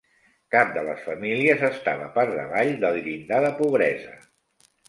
Cap de les famílies estava per davall del llindar de pobresa.